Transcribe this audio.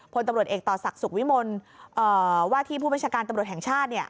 พลตำรวจเอกต่อศักดิ์สุขวิมลว่าที่ผู้บัญชาการตำรวจแห่งชาติ